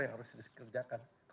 yang harus dikerjakan